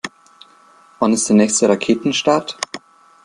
Wann ist der nächste Raketenstart?